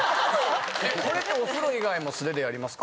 これでお風呂以外も素手でやりますか？